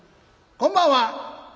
こんばんは」。